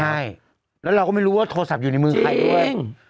ใช่แล้วเราก็ไม่รู้ว่าโทรศัพท์อยู่ในมือใครด้วย